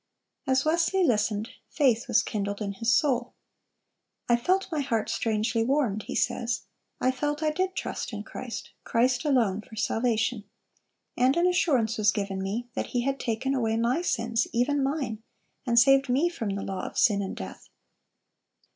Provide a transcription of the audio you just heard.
As Wesley listened, faith was kindled in his soul. "I felt my heart strangely warmed," he says. "I felt I did trust in Christ, Christ alone, for salvation: and an assurance was given me, that He had taken away my sins, even mine, and saved me from the law of sin and death."